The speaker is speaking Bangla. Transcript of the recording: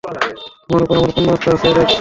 তোমার উপর আমার পূর্ণ আস্থা আছে, অ্যালেক্স!